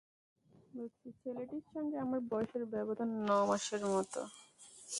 ছেলেটির সঙ্গে আমার বয়সের ব্যবধান ন মাসের মতো।